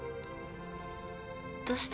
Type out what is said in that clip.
どうして。